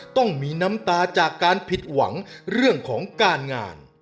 ต้องมีน้ำตาจากการผิดหวังเรื่องของการงาน